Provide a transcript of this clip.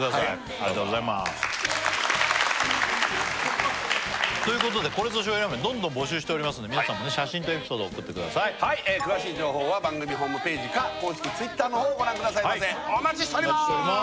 ありがとうございますということでこれぞ醤油ラーメンどんどん募集しておりますので皆さんも写真とエピソードを送ってください詳しい情報は番組ホームページか公式Ｔｗｉｔｔｅｒをご覧くださいませお待ちしております！